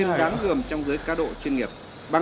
mày không cần viết cứ viết đi